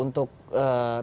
untuk terkait dengan impor